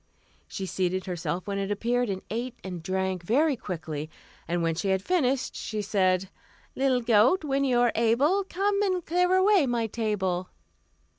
She seated herself when it appeared, and ate and drank very quickly, and when she had finished she said: "Little goat, when you are able, Come and clear away my table."